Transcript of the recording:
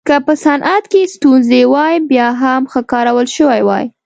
که په صنعت کې ستونزې وای بیا هم ښه کارول شوې وای